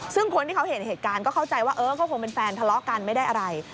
ซึ่งคนที่เขาเห็นเหตุการณ์ก็เข้าใจว่าเออก็คงเป็นแฟนทะเลาะกันไม่ได้อะไร